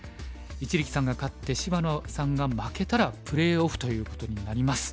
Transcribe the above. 一力さんが勝って芝野さんが負けたらプレーオフということになります。